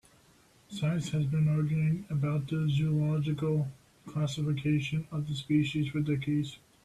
Science has been arguing about the zoological classification of the species for decades.